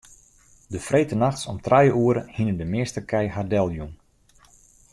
De freedtenachts om trije oere hiene de measte kij har deljûn.